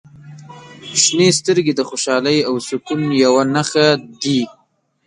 • شنې سترګې د خوشحالۍ او سکون یوه نښه دي.